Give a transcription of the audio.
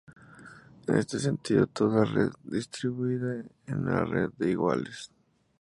En este sentido toda red distribuida es una red de iguales.